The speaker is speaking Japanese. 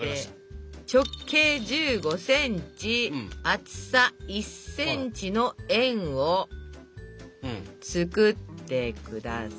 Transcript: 直径１５ｃｍ厚さ１ｃｍの円を作ってください。